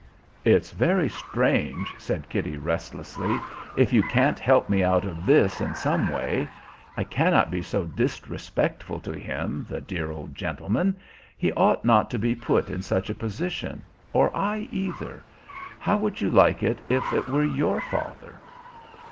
"It's very strange," said Kitty restlessly, "if you can't help me out of this in some way. I cannot be so disrespectful to him, the dear old gentleman! He ought not to be put in such a position, or I either. How would you like it if it were your father?"